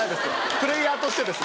プレーヤーとしてです。